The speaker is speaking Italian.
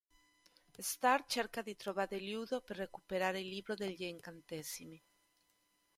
Star cerca di trovare Ludo per recuperare il libro degli incantesimi.